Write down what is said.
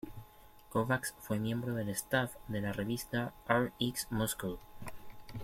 Kovacs fue miembro del "staff" de la revista "Rx Muscle".